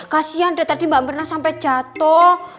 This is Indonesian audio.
kasian deh tadi mbak mirna sampai jatoh